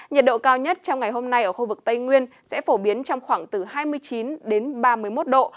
nhiệt độ cao nhất trong ngày hôm nay ở khu vực tây nguyên sẽ phổ biến trong khoảng từ hai mươi chín đến ba mươi một độ